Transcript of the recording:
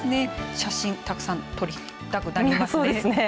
写真たくさん撮りたくなりますね。